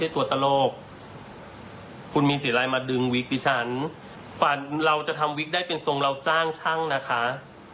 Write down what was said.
ถึงวิกดิฉันเราจะทำวิกได้เป็นทรงเราจ้างช่างนะคะ